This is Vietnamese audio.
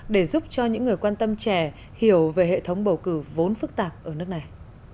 để giúp cho những người quan tâm trẻ hiểu về hệ thống bầu cử vốn phức tạp ở nước này